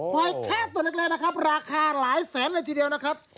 แค่ตัวเล็กนะครับราคาหลายแสนเลยทีเดียวนะครับ